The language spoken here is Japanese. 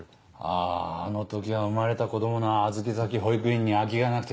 ああの時は生まれた子供の預け先保育園に空きがなくて。